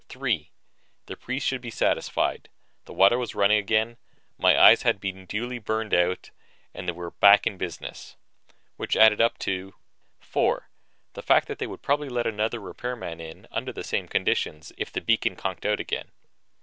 Three: The priests should be satisfied. The water was running again, my eyes had been duly burned out, and they were back in business. Which added up to Four: The fact that they would probably let another repairman in, under the same conditions, if the beacon conked out again.